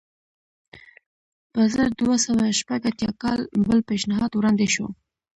په زر دوه سوه شپږ اتیا کال بل پېشنهاد وړاندې شو.